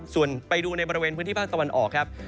ส่วนไปดูในบริเวณพื้นที่ภาคตะวันออกครับ